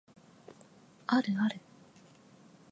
あるある